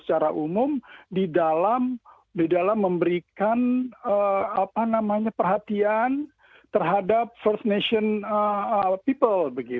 pertanyaannya adalah apakah selama ini ada yang salah atau yang masih kurang di dalam pemerintahan australia